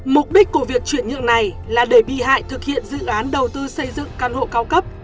mục đích của việc chuyển nhượng này là để bị hại thực hiện dự án đầu tư xây dựng căn hộ cao cấp